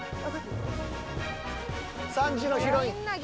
３時のヒロイン。